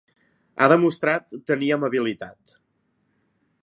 Ha demostrat tenir amabilitat.